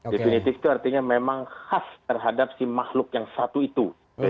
definitif itu artinya memang khas terhadap si makhluk yang satu itu